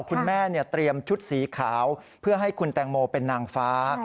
คุณแม่เตรียมชุดสีขาวเพื่อให้คุณแตงโมเป็นนางฟ้า